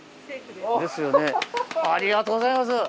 ですよねありがとうございます！